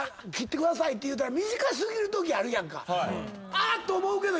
あっ！と思うけど。